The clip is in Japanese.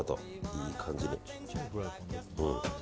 いい感じに。